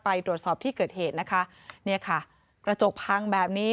ไปตรวจสอบที่เกิดเหตุนะคะเนี่ยค่ะกระจกพังแบบนี้